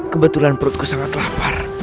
kebetulan perutku sangat lapar